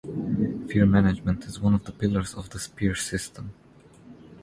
Fear management is one of the pillars of the Spear System.